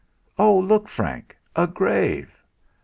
"Oh! Look, Frank! A grave!"